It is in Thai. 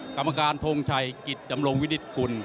กรรมการทงชัยกิจดำรงวินิตกุล